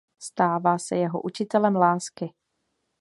Stává se jeho „učitelem lásky“.